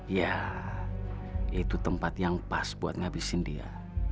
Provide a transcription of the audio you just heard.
ya itu tempat yang pas buat ngabisin dia